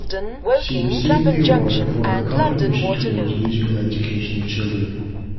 She received the award "for her contribution towards musical education of children".